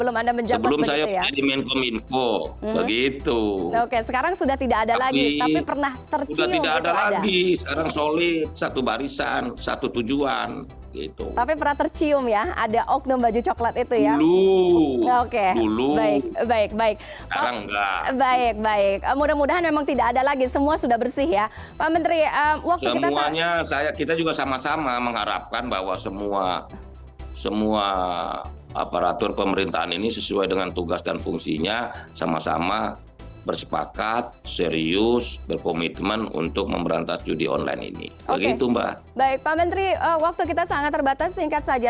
menteri waktu kita sangat terbatas singkat saja